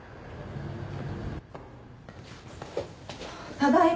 ただいま。